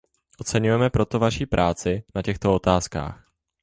Oceňujeme proto vaši práci na těchto otázkách.